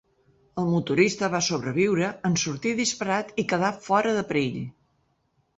El motorista va sobreviure en sortir disparat i quedar fora de perill.